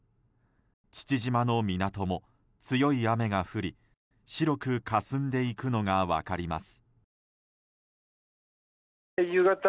父島の港も強い雨が降り白くかすんでいくのが分かります。